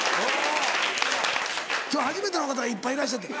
今日初めての方がいっぱいいらっしゃって。